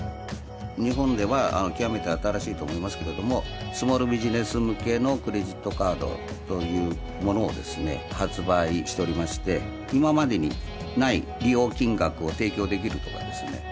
日本では極めて新しいと思いますけれどもスモールビジネス向けのクレジットカードというものをですね発売しておりまして今までにない利用金額を提供できるとかですね